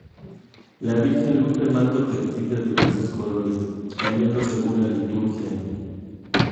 La Virgen luce manto textil de diversos colores, cambiando según la liturgia.